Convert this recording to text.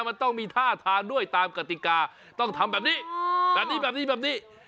มันต้องมีท่าทานด้วยตามกติกาต้องทำแบบนี้แบบนี้แบบนี้